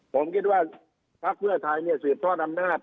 ผมคิดว่าภาพเมือไทยเนี่ยเสียบทอดอำนาจ